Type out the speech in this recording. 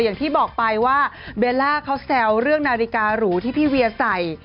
อย่างที่บอกไปว่าเบลล่าเขาแซวเรื่องนาฬิการูที่พี่เวียใส่